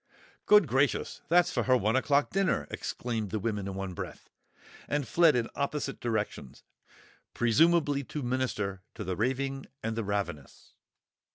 "Good gracious, that's for her one o'clock dinner!" exclaimed both the women in one breath, and fled in opposite directions, presumably to minister to the raving and the ravenous!